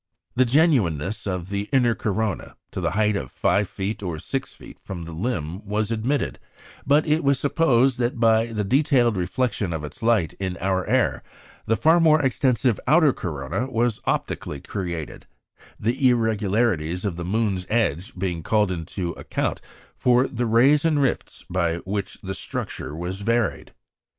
The genuineness of the "inner corona" to the height of 5' or 6' from the limb was admitted; but it was supposed that by the detailed reflection of its light in our air the far more extensive "outer corona" was optically created, the irregularities of the moon's edge being called in to account for the rays and rifts by which its structure was varied.